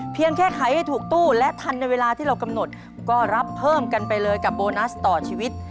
แค่ไขให้ถูกตู้และทันในเวลาที่เรากำหนดก็รับเพิ่มกันไปเลยกับโบนัสต่อชีวิต